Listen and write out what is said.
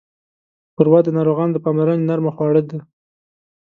ښوروا د ناروغانو د پاملرنې نرمه خواړه ده.